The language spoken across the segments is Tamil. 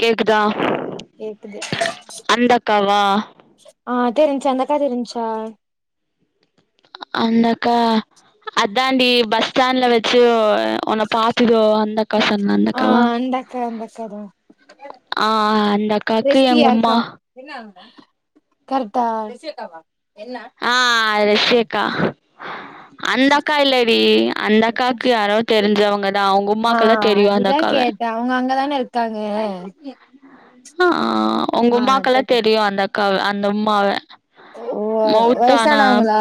கேக்குதா கேக்குது அந்தக்காவா ஆ தெரிஞ்சா அந்தக்கா தெரிஞ்ச்சா அந்தக்கா அத் தாண்டி பஸ் ஸ்டாண்ட்ல வெச்சு உன்ன பார்த்ததோ அந்த க்கசன்னந்தக்கவா காதா ஆ அந்தக்காக்கு எங்கும்மா கற்ட்டா ஆ ரஷிக்கா அந்த அக்கா இல்லடி அந்த அக்காவுக்கு யாரோ தெரிஞ்சவங்கதான் அவுங்க ஆ உம்மாக்குலா தெரியு அந்த அதுதா அக்காவ கேட்டே அவங்க அங்கதானே இருக்காங்க ஹ ஆ உங்க ஆ அதா உம்மாக்குலா கேட்டே தெரியு அந்த அக்கா அந்த உம்மாவ ஓ வயசானாவுங்களா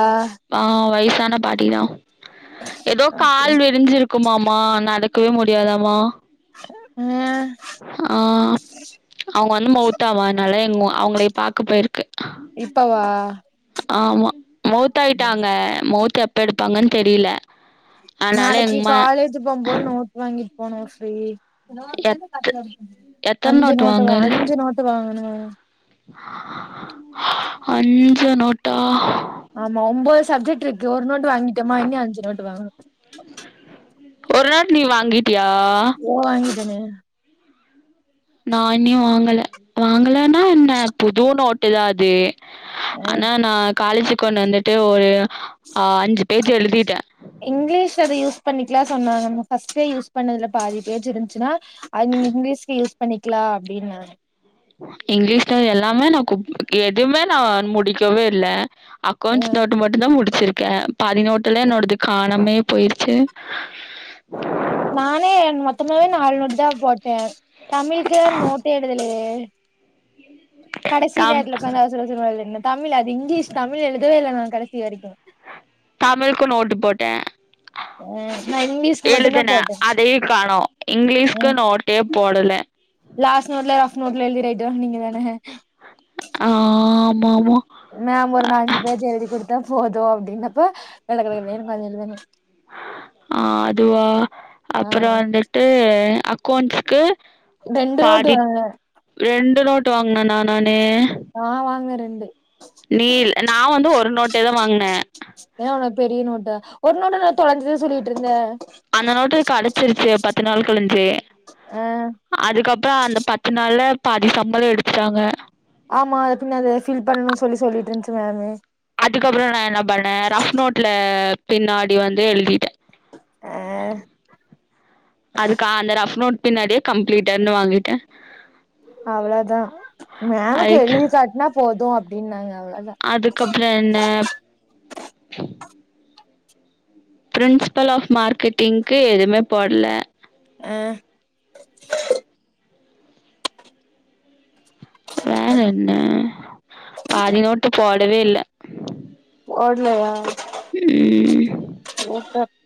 தான பாட்டி தா ஏதோ அப்டி கால் விரிஞ்சிருக்குமாமா நடக் இருக்கவே முடியாதாமா ஆ ஆ அவுங்க வந்து மௌத்தாமாவா அனால அவுங்கள பாக்க போயிருக்கு இப்பவா ஆமா மௌத்தாயிட்டாங்க மௌத் செடெப்பெடுப்பாங்கனு தெரில நாளைக்கு காலேஜ் போகும்போது நோட் வாங்கிட்டு போன ஃப்ரீ எத் எத்தன அஞ்சு நோட்டு வாங்கல் அஞ்சு நோட்டு வாங்கணோ அஞ்சு நோட்டா ஆமா ஒன்பது சப்ஜெக்ட் இருக்கு ஒரு நோட்டு் வாங்கிட்டேமா இன்னி அஞ்சு நோட்டு் வாங்கனோ ஒரு நாள் நீ வாங்கிட் ஓ வாங்கிடேனே நா இன்னியு வாங்கல வாங்கலன்னா என்ன புது நோட்டுதா அது ஆ ஆனா நா காலேஜுக்கு கொண்டு வந்துட்டு ஒரு ஆ அஞ்சு பேஜ் எழுதிட்ட இங்கிலீஷ் அத யூஸ் பண்ணிக்கலா சொன்னாங்க நம்ம ஃபஸ்டே யூஸ் பண்ணதுல பாதி பேஜ் இருன்சுன்னா அது நீங்க இங்லீஷ்க் யூஸ் பண்ணிக்கலா அப்டின்னாங்க இங்லீஷ்ல எல் லாமே நா குப் எதுவுமே நா முடிக்கவே இல்ல அ அக்கௌண்ஸ் நோட்டு மட்டுதா முடி வச்சிருக்கேன் பதினோட்டுல என்னோடது காணமே போயிருச்சு நானே மொத்தமாவே நாலு நோட்டு தா போட்டேன் தமிழுக்கு நோட்டே எழுதலயே கடைசி தம் நேரத்துல உக்காந்து அவசர அவசரமா எழுதுன்ன தமிழ் அது இங்கிலீஷ் தமிழ் எழுதவே இல்ல நான் கடைசியரிக்கும் தமிழுக்கு நோட்டு போட்டேன் ம் நா இங்கிலிஷ்கு மட்டு தா போட்டேன் அதையு காணோ இங்கிலீஷ்க்கு உம் நோட்டே போடல. லாஸ்ட் நோட்ல நோட்ல எழுதி ரைட்டு வாங்குனீங்க தான ஆ ஆமாமா தா போதும் அப்டின்னப்ப கடகடன்னு உக்காந்து எழுதுனே ஆ அதுவா ஆ அப்புறம் வந்துட்டு அக்கௌண்ட்ஸ்க்கு ரெண்டு நோட்டு வாங்க ய நோட்டு வாங்னன்னா நானு ஆ வாங்க ரெண்டு நீல் நா வந்து ஒரு நோட்ட தா வாங்ன ஏன்னா உனக்கு பெரிய நோட்டா ஒரு நோட்ட தா தொலைஞ்ச சொல்லிட்ருந்த அந்த நோட்டு கடச்சிருச்சு பத்து நாள் கழிச்சு ஆ அதுக்கப்புறோ அந்த பத்து நாள்ல பாதி சம்பளோ எடுத்துட்டாங்க ஆமா அத பின்ன அது ஃபில் பண்ணணும் சொல்லி சொல்லிட்ருந்துச்சு மேமு அதுக்கப்புறம் நான் என்ன பண்ணேன் ரஃப் நோட்ல பின்னாடி வந்து எழுதிட்டே ஆ அதுக்கா அந்த ரஃப் நோட் பின்னாடியு கம்ப்பிளீட்டடுனு வாங்கிட்டே அவ்ளோதா, மேமுக்கு எழுதி காாட்னா போ து அப்டின்னாங்க அவ்ளோதா அதுக்கப்பற என்ன பிரின்ஸிபல் ஆஃப் மார்க்கெட்டிங்க்கு எதுமே போடல ஆ வேற என்ன பாதினோட்டு போ விடவே இல்ல ஓட்லயா உம்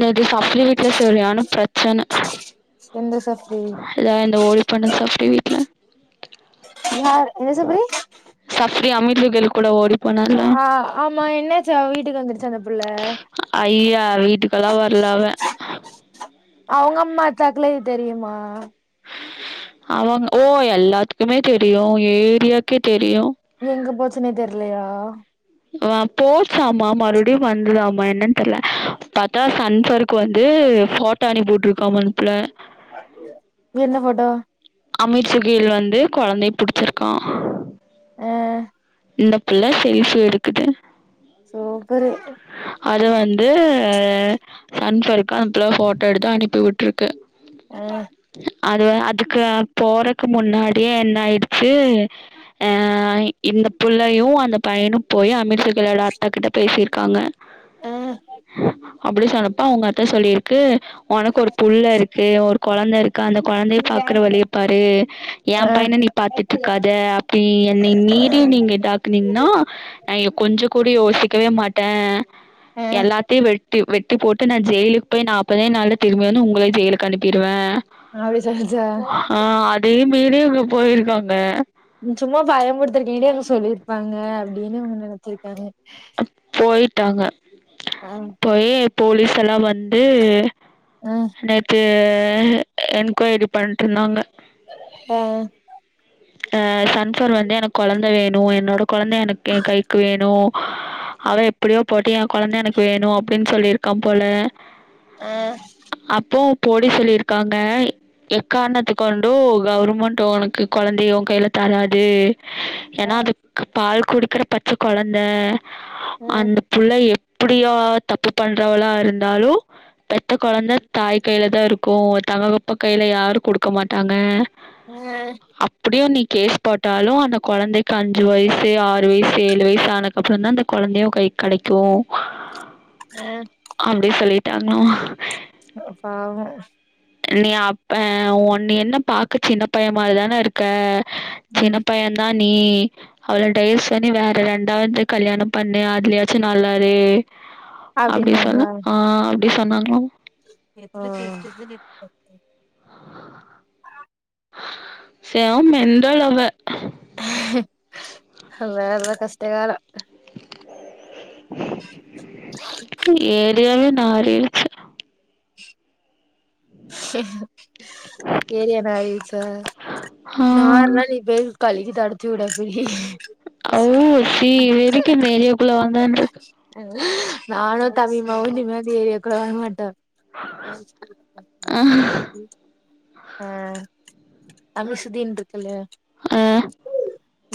நேத்து சப்லி வீட்டுல சொரியானு பிரச்சனை எந்தசு எல இந்த ஓலி பண்ண சாப்ழி வீட்டுல ன்னார் என்ன சபரி அமீ லெ கூட ஓடி போனல்ல ஆமா என்னாச்சு அவ வீட்டுக்கு வந்துருச்சா அந்த புள்ள ஐயா வீட்டுக்கெல்லா வரலவ அவங்க அம்மா தக்கலது தெரியுமா அவங்க ஓ எல்லாத்துக்குமே தெரியு ஏரியாக்கே தெரியு எங்க போச்சுன்னே தெரியலையா ஆ போச்சாமா மறுபடியு வந்ததாமமா என்னன்னு தெரியல பாத்தா சன்பர் கு வந்து போட் தணி போட்டிருக்காம மனுப்புல என்ன போட்டோ அமீர் சுுகீழ் வந்து குழந்தை புடிச்சிருக்கா ஆஹ் இந்த பிள்ள சரிசூ எடுக்குது சோ ஒரு அது வந்து சன்ஃர்க் கணப்புல போட்டோ எடுத்து அனுப்பி விட் ட்ருக்கு ஆஹ் அது அதுக்கு போறக்கு முன்னாடியே என்ன ஆயிடுச்சு அஹ் இந்த பிள்ளையு அந்த பையனு போய் அமீத்ஷ கிழோட அத்தா கிட்ட பேசிரு காங்க ஆ ஹ அப்படி சொன்னப்பா உங்க அத்த சொல்லிருக்கு உனக்கு ஒரு புல் இருக்கு ஒரு கொழந்தை இருக்கு அந்த குழந்தைய பாக்குற வழிய பாரு ஏ ஆ பையனை நீ பாத்துட்ருக்காத அப்படி என்ன மீறி நீங்க இதாக்குனீங்கன்னா நான்ங்க கொஞ்ச கூடி யோசிக்கவே மா ஆ ஆ எல்லாத்தையு வெட் வெட்டி போட்டு நா ஜெயிலுக்கு போய் நாற்பதே நாளல திரும்பி வந்து உங்கள ஜெயிலுக்கு அனுப்பிருவே ஆப்பிடி சொல்லுச்சா வீடியோக்குள்ள போயிருக்காங்க சும்மா பயம் புடுத்தருக்கு வேண்டி அவங்க சொல்லியிருப்பாங்க அப்டின்னு அவங்க நெனைச்சிருக்காங்க போயிட்டாங்க ஆ போயி போலீஸ் எல்லா வந்து ஆ நேத்து து என்கொயரி பண்ட்டு இருந்தாங்க ஆ சன்ஃப்ளவர் வந்து எனக் கொழந்த வேணு என்னோடக் கொழந்த எனக்கு ஏ கைக்கு வேணு அவ எப்புடியோ போட்டு ஏ கொழந்த எனக்கு வேணு அபடின்னு சொல்லியிருக்கான் போல ஆ அப்போ போடி சொல்லியிருக்காங்க எக்காரணத்து கொண்டு கவர்மெண்ட் உனக்கு கொழந்தைய ஓ கைல தராது ஆ ஏன்னா அதுக்கு பால் குடுக்கிற பச்ச கொழந் இந்த ம் அந்த புள்ள எப் த்த எப்படியோ தப்பு பண்றவளா இருந்தாலு பெத்த கொழந்த தாய் கையிலதா இருக்கும் தகப்பன் கையில யாரும் குடுக்க மாட்டாங்க உம் ஃகேஸ் போட்டாலு அந்த கொழந்தைக்கு அஞ்சு வயசு ஆறு வயசு ஏழு வயசான அதுக்கப்பறந்தா அந்த குழந்தையே ஓ கைக்கு கெடைக்கும் அ அப்டி சொல்லிட்டாங்களோ பாவோ நீ அப்ப உன்னு என்ன பக்கா சின்ன பையன் மாரிதான இருக்க சின்ன ம் பையந்தான் நீ அவ்ளோ டவஸ் பண்ணி வேற ரெண்டாவது கல்யாணோ பண்ணு அதுலயாச்சு நல்லாரு அப்புடி சொன்ன ஆ இப்டி சொன்னாங்களோ எஃகோ ஆ செம மெண்டல் அவ அத அந்த கஷ்டகாலோ ஏரியாவ்லயு நாறிடுச்சு ஏரியா நாறிடுச்சா ஆ நாறுனா நீ போய் கழுவி தொடச்சு உடு அபி ஓ சி இவ எதுக்கு இந்த ஏரியாக்குள்ள வந்தான்ருக்கு நானு தம்பிமாவு இனிமே இந்த ஏரியாக்குள்ள வற மாட்டோ [inaudible] அ அ அமுஷுதின் இருக்குல்லயா அ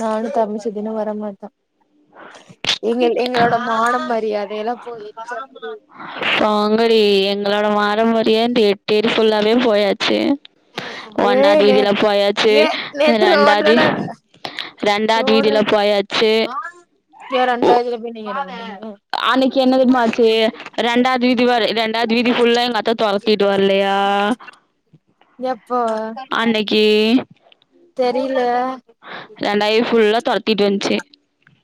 நானு தம்பி சுதீனு வரமாட்டா எங்கள் எங்களோட மானம் ம ரியாதை எல்லா போயி போங்கடி எ ங்களோட மாரம்பரிய இந்த எட்டெரி ஃபுல்லாவே போயாச்சு ஒன்னாவது வீதியில போயாச்சு ரெண்டாவது [unintelligible] ரெண்டாவது வீதியில போயாச்சு அ அன்னிக் கென்ன தெரிமா ஆச்செ ரெண்டாது வீதி வர ரெண்டாது வீதி ஃபுல்லா எங்கத்த தொரத்திட்டு வர்லையா எப்போ அன்னிக்கி தெரியில ரண்டாவீ ஃபுல்லா தொரத்திட்டு வஞ்ச்சு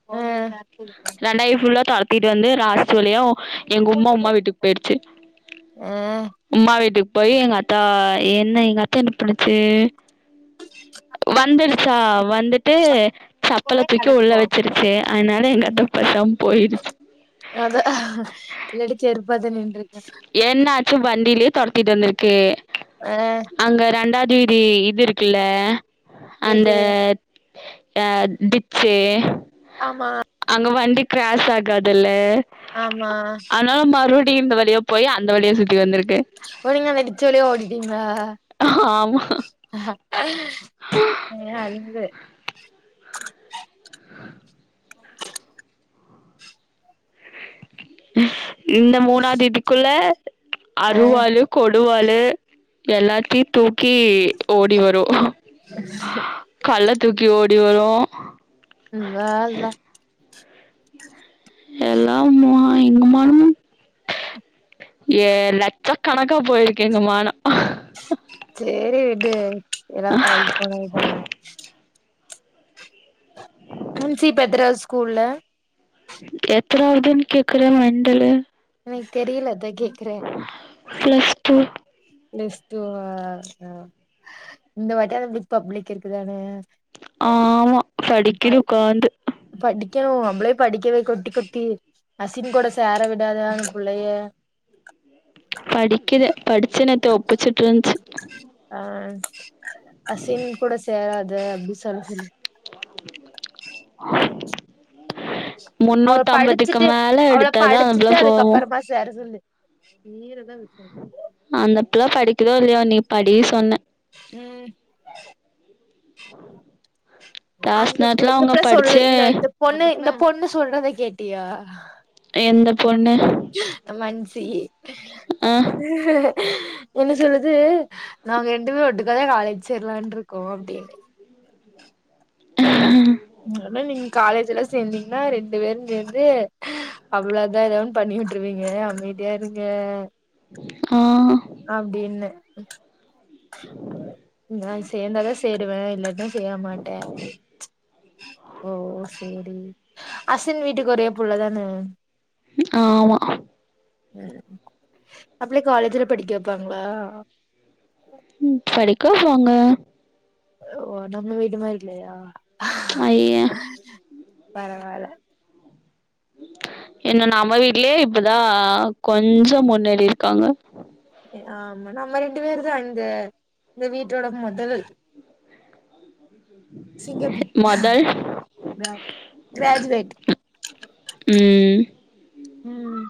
ம் ரண்டா வீ ஃபுல்லா தொர த்திட்டு வந்து ராஸ் சொல்லியு எங்க உம்மா உம்மா வீட்டுக் போய்டுச்சு ஆ உம்மா வீட்டுக் போயி எங்க அத்தா என்ன எங்க அத்தா என்ன பண்ணுச்சு வந்துரு சா வந்துட்டு சப்பல தூக்கி உள்ள வெச்சிருச்சு அதுனால எங்க அத்த பேசாம் போயிருச்சு பதினென்று என்னா ச்சு வண்டிலியே தொரத்திட்டு வந்துருக்கு ஆ அங்க ரண்டா ஜி டி இது இருக்குல்ல அந்த எது அ டிச்சு ஆமா அங்க வண்டிப் கிராஸ் ஆகாதில்ல ஆமா இந்த வழியாப் போயி அந்த வழியா சுத்தி வந்துருக் ஓ நீங்க அந்த டிச்சு வழிய ஓடிட்டீங்ளா ஆமா [unintelligible] இந்த மூணா தேதிக்குள்ள ஆ அருவாலு கொடு ருவாலு எல்லாத்யு தூக்கி ஓடி வரு கல்ல தூக்கி ஓட் டி வரு வா ல எல்லாம் மா எங்க மானமு ஏ லட்சக்கணக்கா போயிருக்கு எங்க மான சேரி விடு ஏல்லா பழக் போனதுதான ஹன்சி பெத்தராஜ் ஸ்கூல்ல எத்தானாவதுன் கேக்குற மெண்டலு எனக் தெரியல அதை கேக்றே ப்ளஸ் டூ பிளஸ் டூ இந்த வாட்டியா நம்ப்ளுக் பப்ளிக் இருக்குதான ஆமா படிக்கிது உக்காந்து [unintelligible] நம்ப்ள படிக்கவே கொட்டி கொட்டி அசின் கூட சேர விடாத அந்த புள்ளைய படிக்கிது பட் சி நேத்து ஒப்புச்சுட்ருந்ச்சு அ அசின் கூட சேராது து அப்டி சொல்லுது அவர் முன்னூத்தி ஐம்பதுக்கு படிச்சுட்டு மேல அவள எடுத்தாதா அந்த புள்ள படிச்சுட்டு போவு அதுக்கப்புறமா சேர சொல்லு ஈர [unintelligible] கிதோ படிக்கதோ இல்லயோ நீ படி சொன்ன ம் கிளாஸ் அந்த புள்ள நேரத்துல இந்த அவங்க புள்ள சொல்லு படிச்சு இந்த இந்த பொண்ணு இந்த பொண்ணு சொல்றத கேட்டியா எந்த பொண்ணு மஞ்சி என்ன சொல்லுது நாங்க ரெண்டுமே ஒட்டுக்காதா காலேஜ் சேர்லான் இருக்கோ அப்டின்னு ம் ஆனா நீங்க காலேஜ் எல்லா சேந்தீங்கன்னா ரெண்டு பேரும் சேந்து அவ்வளோதா ஏதா ஒன்னு பண்ணி வுட்ருவீங்க அமைதியா இருங்க ஆ அப்டின்னு நா சேந்தாதா சேருவே இல்லன்னா சேர மாட்டே அப்டின்சு ஓ சேரி அசின் வீட்டுக்கு ஒரே புள்ளதான ஆமா அப்ளே காலேஜ்ல படிக்க வப்பாங்களா ம் படி கவப்பாங்க ஓ நம்ள வீடு மாரி இல்லயா ஐய பரவால இன்னு நம்ம வீட்லயே இப்பதா கொஞ்சம் முன்னேறி இருக்காங்க ஆமா நம்ம ரெண்டு பேரும் தா இந்த இந்த வீட்டோட முதல்ல சிங்கப்பெண் மொதல் கிரா கிராஜுவேட் ம் ம்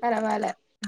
பரவால ம்